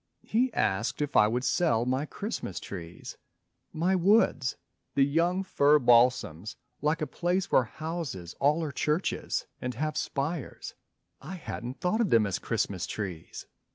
He asked if I would sell my Christmas trees; My woods the young fir balsams like a place Where houses all are churches and have spires. I hadn't thought of them as Christmas Trees.